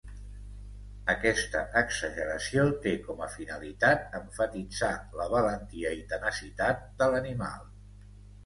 Aquesta exageració té com a finalitat emfatitzar la valentia i tenacitat de l'animal.